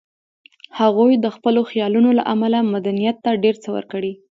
هغوی د خپلو خیالونو له امله مدنیت ته ډېر څه ورکړي